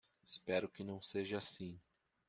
Espero que não seja assim.